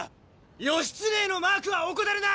義経へのマークは怠るな！